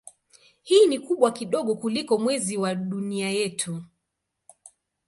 Hii ni kubwa kidogo kuliko Mwezi wa Dunia yetu.